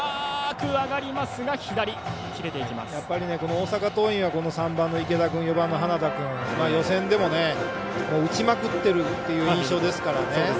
大阪桐蔭は３番の池田君４番の花田君予選でも、打ちまくっているっていう印象ですからね。